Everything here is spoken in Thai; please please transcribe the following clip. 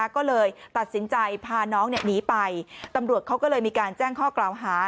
ก็เลยตัดสินใจพาน้องหนีไปตำรวจเขาก็เลยมีการแจ้งข้อกล่าวหา